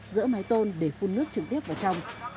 dỡ máy tôn để phun nước trực tiếp vào trong